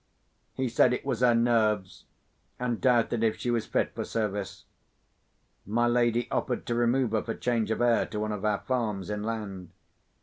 He said it was her nerves, and doubted if she was fit for service. My lady offered to remove her for change of air to one of our farms, inland.